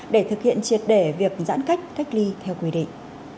để thực hiện triệt để việc giãn cách cách ly theo quy định